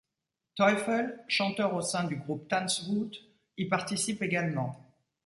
Teufel, chanteur au sein du groupe Tanzwut, y participe également.